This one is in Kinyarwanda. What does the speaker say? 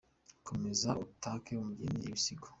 komeza utake umugeni ibisigo.